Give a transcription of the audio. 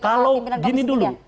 kalau gini dulu